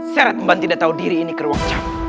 seretmban tidak tahu diri ini bukan karena kamu